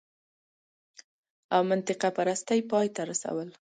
او منطقه پرستۍ پای ته رسول